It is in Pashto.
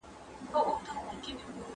د قمرۍ خلی یو ځل بیا په ځمکه ولوېد.